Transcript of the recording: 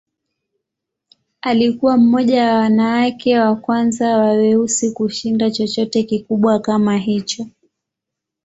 Alikuwa mmoja wa wanawake wa kwanza wa weusi kushinda chochote kikubwa kama hicho.